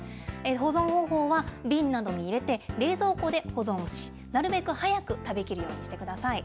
保存方法は、瓶などに入れて、冷蔵庫で保存し、なるべく早く食べきるようにしてください。